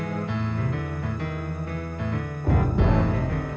amba mohon pertolonganmu ya allah